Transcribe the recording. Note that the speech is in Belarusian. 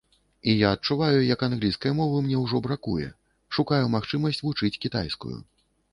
І я адчуваю, як англійскай мовы мне ўжо бракуе, шукаю магчымасць вучыць кітайскую.